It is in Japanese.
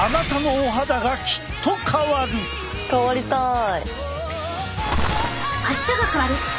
変わりたい。